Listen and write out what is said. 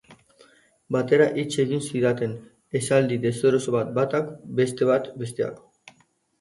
Batera hitz egin zidaten, esaldi deseroso bat batak, beste bat besteak.